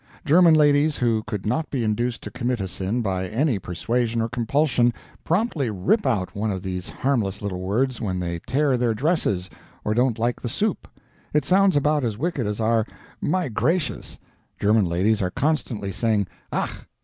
German ladies who could not be induced to commit a sin by any persuasion or compulsion, promptly rip out one of these harmless little words when they tear their dresses or don't like the soup. It sounds about as wicked as our "My gracious." German ladies are constantly saying, "Ach!